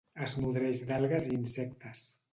Es nodreix d'algues i insectes.